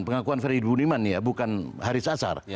pengakuan freddy budiman bukan haris azhar